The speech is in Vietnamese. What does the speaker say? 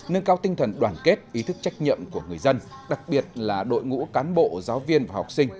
nâng cao tinh thần đoàn kết ý thức trách nhiệm của người dân đặc biệt là đội ngũ cán bộ giáo viên và học sinh